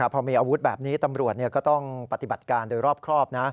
พอมีอาวุธแบบนี้ตำรวจก็ต้องปฏิบัติการโดยรอบครอบ